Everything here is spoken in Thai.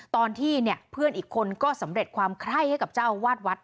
ตอนที่เนี่ยเพื่อนอีกคนก็สำเร็จความไคร้ให้กับเจ้าอาวาสวัด